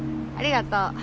ありがとう。